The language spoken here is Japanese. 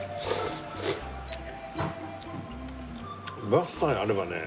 バスさえあればね。